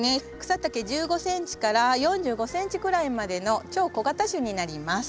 草丈１５ｃｍから４５ｃｍくらいまでの超小型種になります。